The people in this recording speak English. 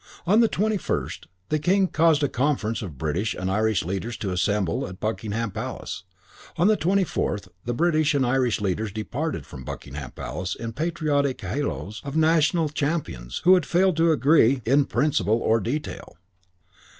On the twenty first, the King caused a conference of British and Irish leaders to assemble at Buckingham Palace. On the twenty fourth, the British and Irish leaders departed from Buckingham Palace in patriotic halos of national champions who had failed to agree "in principle or detail."